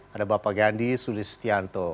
ada bapak gandhi sulistianto